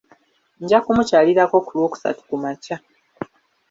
Nja kumukyalirako ku lwokusatu kumakya.